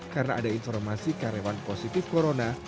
karena ada informasi karyawan positif corona